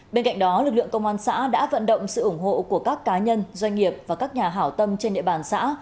bên cạnh đó lực lượng công an xã đã vận động sự ủng hộ của các cá nhân doanh nghiệp và các nhà hảo tâm trên địa bàn xã